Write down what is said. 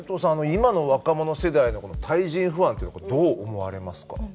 今の若者世代の対人不安っていうのどう思われますか？